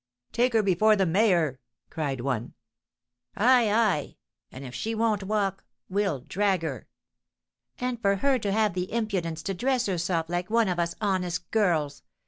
"Take her before the mayor!" cried one. "Ay, ay! and, if she won't walk, we'll drag her." "And for her to have the impudence to dress herself like one of us honest girls!"